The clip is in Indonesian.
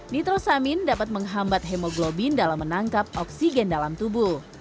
nitrosamin dapat menghambat hemoglobin dalam menangkap oksigen dalam tubuh